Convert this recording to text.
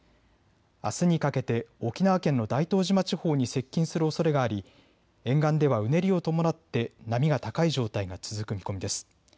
あすにかけて沖縄県の大東島地方に接近するおそれがあり沿岸ではうねりを伴って波が高い状態が続く見込みです。